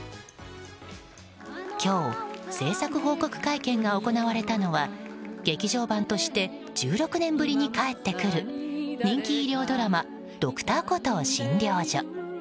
今日、制作報告会見が行われたのは劇場版として１６年ぶりに帰ってくる人気医療ドラマ「Ｄｒ．コトー診療所」。